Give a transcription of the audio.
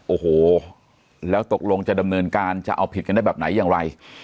โอ้โหแล้วตกลงจะดำเนินการจะเอาผิดกันได้แบบไหนอย่างไร